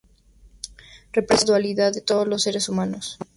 Representa la dualidad de todos los seres humanos.